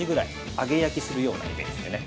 揚げ焼きするようなイメージでね。